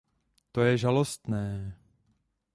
To je žalostné.